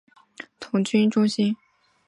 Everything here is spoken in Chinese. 其总部设于九龙尖沙咀香港童军中心。